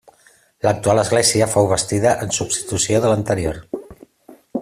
L'actual església fou bastida en substitució de l'anterior.